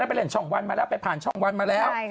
ไปเล่นช่องวันมาแล้วไปผ่านช่องวันมาแล้ว